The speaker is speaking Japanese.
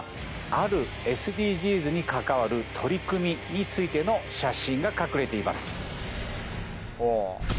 あるＳＤＧｓに関わる取り組みについての写真が隠れています